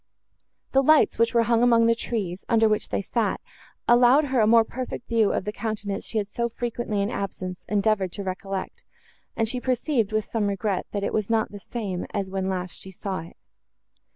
The lights, which were hung among the trees, under which they sat, allowed her a more perfect view of the countenance she had so frequently in absence endeavoured to recollect, and she perceived, with some regret, that it was not the same as when last she saw it.